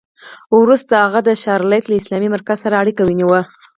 وروسته هغې د شارليټ له اسلامي مرکز سره اړیکه ونیوه